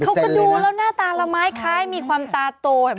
เขาก็ดูแล้วหน้าตาละม้ายคล้ายมีความตาโตเห็นไหม